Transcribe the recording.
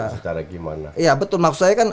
secara gimana ya betul maksud saya